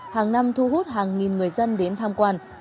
hàng năm thu hút hàng nghìn người dân đến tham quan